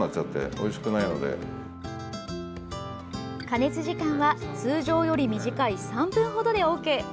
加熱時間は通常より短い３分ほどでＯＫ。